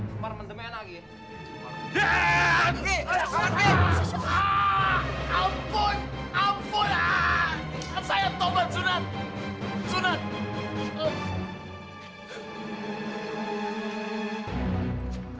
semar mendeme enak ki